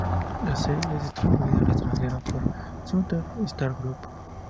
La serie es distribuida al extranjero por Southern Star Group.